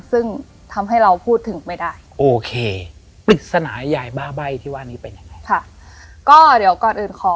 แสดงว่ามันอาจจะเป็นเรื่องที่